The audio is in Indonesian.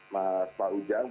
mas pak ujang